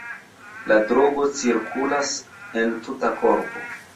La drogo cirkulas en tuta korpo.